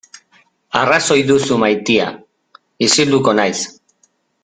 Arrazoi duzu maitea, isilduko naiz.